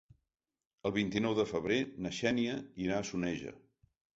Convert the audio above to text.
El vint-i-nou de febrer na Xènia irà a Soneja.